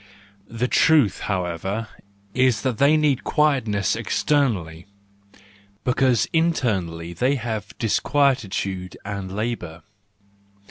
The truth, however, is that they need quietness externally, because internally they have disquietude and labour.